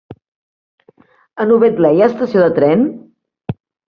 A Novetlè hi ha estació de tren?